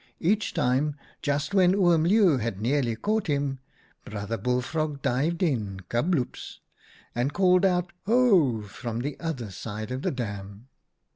Each time, just when Oom Leeuw had nearly caught him, Brother Bullfrog dived in — kabloops !— and called out 'Ho!' from the other side of the dam.